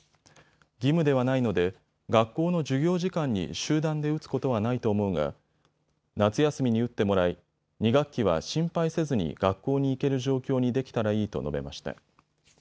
義務ではないので学校の授業時間に集団で打つことはないと思うが夏休みに打ってもらい２学期は心配せずに学校に行ける状況にできたらいいと述べました。